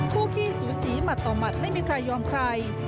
ขี้สูสีหัดต่อหมัดไม่มีใครยอมใคร